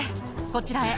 こちらへ。